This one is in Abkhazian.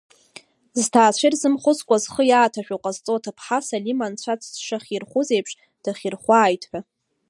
Зҭаацәа ирзымхәыцкәа, зхы иааҭашәо ҟазҵо аҭыԥҳа, Салима Анцәа дшахьирхәз еиԥш, дахьирхәааит ҳәа.